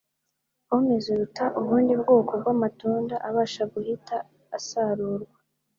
Pome ziruta ubundi bwoko bw’amatunda abasha guhita asarurwa.